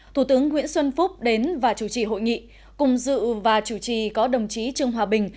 thủ tướng nguyễn xuân phúc đến và chủ trì hội nghị cùng dự và chủ trì có đồng chí trương hòa bình